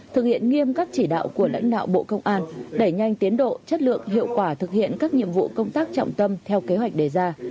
thực hiện nghiêm các chỉ đạo của lãnh đạo bộ công an đẩy nhanh tiến độ chất lượng hiệu quả thực hiện các nhiệm vụ công tác trọng tâm theo kế hoạch đề ra